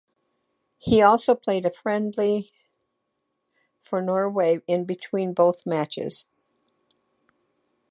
He also played a friendly for Norway in between both matches.